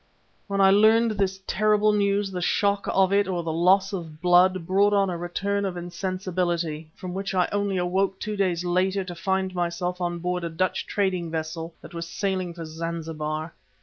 "When I learned this terrible news, the shock of it, or the loss of blood, brought on a return of insensibility, from which I only awoke two days later to find myself on board a Dutch trading vessel that was sailing for Zanzibar.